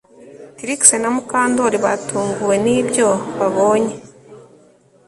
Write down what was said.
Trix na Mukandoli batunguwe nibyo babonye